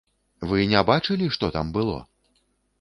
Вы не бачылі, што там было?